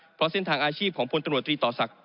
เพราะเส้นทางอาชีพของพลตำรวจตรีต่อศักดิ